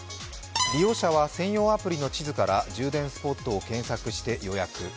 利用者は専用アプリの地図から充電スポットを検索して、予約。